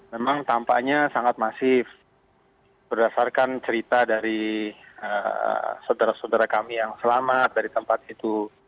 memang tampaknya sangat masif berdasarkan cerita dari saudara saudara kami yang selamat dari tempat itu